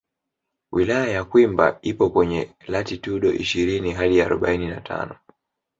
Wilaya ya Kwimba ipo kwenye latitudo ishirini hadi arobaini na tano